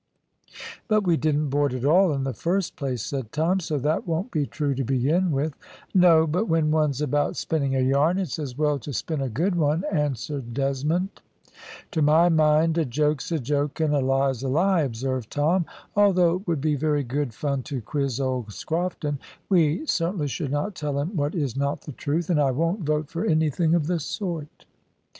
"But we didn't board at all, in the first place," said Tom, "so that won't be true to begin with." "No, but when one's about spinning a yarn it's as well to spin a good one," answered Desmond. "To my mind a joke's a joke, and a lie's a lie," observed Tom. "Although it would be very good fun to quiz old Scrofton, we certainly should not tell him what is not the truth, and I won't vote for anything of the sort."